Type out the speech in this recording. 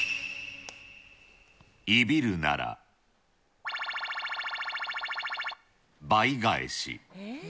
いびるなら×××倍返し。